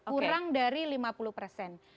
kurang dari lima puluh persen